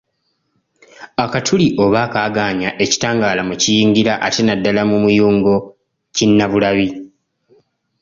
Akatuli oba akaaganya ekitangaala mwe kiyingira ate naddala mu muyungo kinnabulabi.